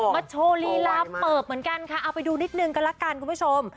โชว์ลีลาเปิบเหมือนกันค่ะเอาไปดูนิดนึงกันละกันคุณผู้ชม